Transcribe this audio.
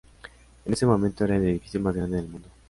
En ese momento era el edificio más grande del mundo.